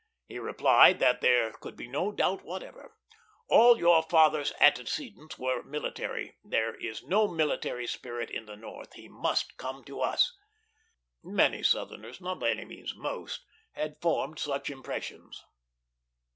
He replied that there could be no doubt whatever. "All your father's antecedents are military; there is no military spirit in the North; he must come to us." Many Southerners, not by any means most, had formed such impressions.